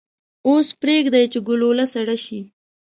اوس پریږدئ چې ګلوله سړه شي.